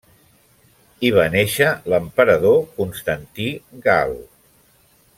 Hi va néixer l'emperador Constantí Gal.